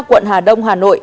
quận hà đông hà nội